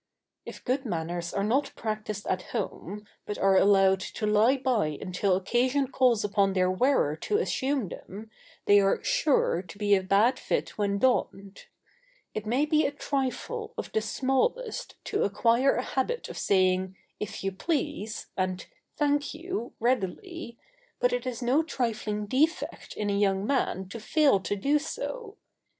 If good manners are not practised at home, but are allowed to lie by until occasion calls upon their wearer to assume them, they are [Sidenote: On behaviour in one's own home.] sure to be a bad fit when donned. It may be a trifle of the smallest to acquire a habit of saying "if you please" and "thank you" readily, but it is no trifling defect in a young man to fail to do so.